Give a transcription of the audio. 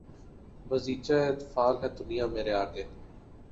بازیچۂ اطفال ہے دنیا مرے آگے